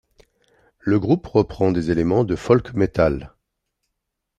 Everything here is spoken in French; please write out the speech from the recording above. Le groupe reprend des éléments de folk metal.